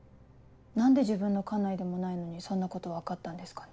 何で自分の管内でもないのにそんなこと分かったんですかね。